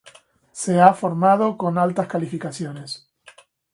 Se ha formado con altas calificaciones.